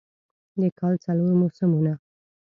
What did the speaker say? د کال څلور موسمونه